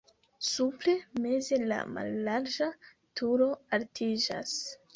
Supre meze la mallarĝa turo altiĝas.